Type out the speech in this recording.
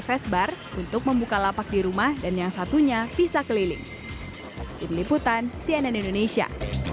vesbar untuk membuka lapak di rumah dan yang satunya bisa keliling tim liputan cnn indonesia